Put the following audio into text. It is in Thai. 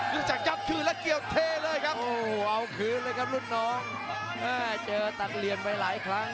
ยุติจักรยับคืนและเกี่ยวเทเลยครับโอ้เอาคืนเลยครับลูกน้องอ้าวเจอตัดเหลี่ยนไปหลายครั้ง